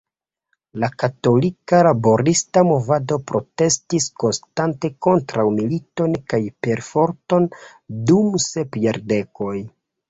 La Katolika Laborista Movado protestis konstante kontraŭ militon kaj perforton dum sep jardekoj.